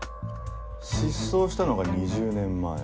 失踪したのが２０年前。